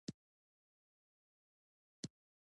د هندوکش لپاره طبیعي شرایط مناسب دي.